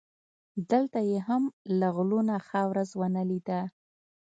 دلته یې هم له غلو نه ښه ورځ و نه لیده.